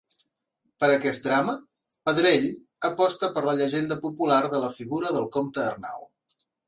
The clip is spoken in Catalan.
Per aquest drama, Pedrell aposta per la llegenda popular de la figura del Comte Arnau.